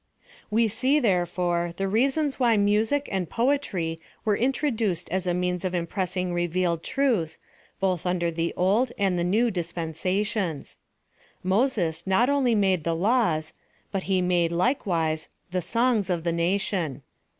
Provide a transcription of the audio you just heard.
We see, therefore, the reasons why music and poetry were introduced as a means of impressing revealed truth, both under the old and the new dispensations. Moses not only made the laws, but he made, likewise, the songs of the nation.